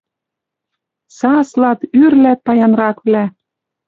Саслат, ӱрлӓт паянраквлӓ